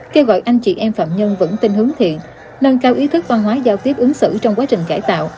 kêu gọi anh chị em phạm nhân vững tin hướng thiện nâng cao ý thức văn hóa giao tiếp ứng xử trong quá trình cải tạo